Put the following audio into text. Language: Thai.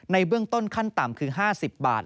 เบื้องต้นขั้นต่ำคือ๕๐บาท